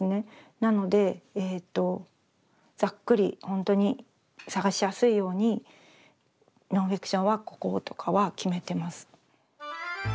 なのでえとざっくりほんとに探しやすいように「ノンフィクションはここ」とかは決めてます。